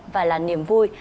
và là niềm vui